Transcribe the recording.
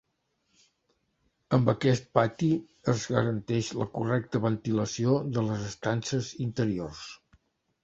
Amb aquest pati es garanteix la correcta ventilació de les estances interiors.